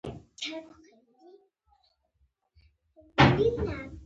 ډېرو خلکو ګومان کاوه چې یوازې د دیني روزنې اړتیا ده.